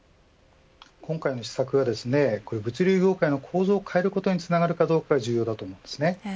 今回の施策が物流業界の構造を変えることにつながるかどうかが重要だと思います。